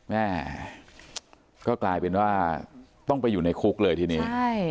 แม่ก็กลายเป็นว่าต้องไปอยู่ในคุกเลยทีนี้